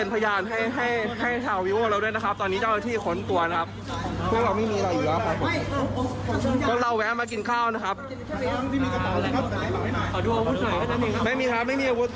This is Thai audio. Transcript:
ก็เราแวะมากินข้าวนะครับ